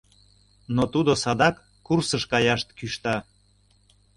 Но тудо садак курсыш каяш кӱшта.